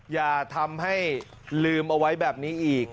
อย่าทำให้ลืมเอาไว้แบบนี้อีก